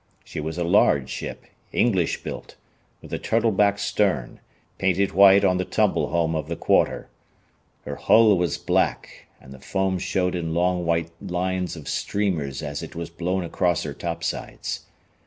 She was a large ship, English built, with a turtle backed stern, painted white on the tumble home of the quarter. Her hull was black, and the foam showed in long white lines of streamers as it was blown across her topsides.